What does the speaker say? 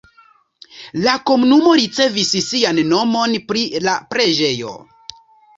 La komunumo ricevis sian nomon pri la preĝejo.